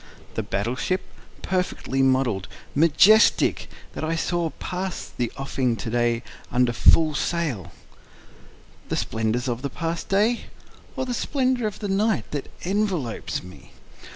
The battle ship, perfect model'd, majestic, that I saw pass the offing to day under full sail? The splendors of the past day? Or the splendor of the night that envelopes me?